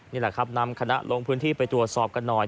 นี่แหละครับนำคณะลงพื้นที่ไปตรวจสอบกันหน่อย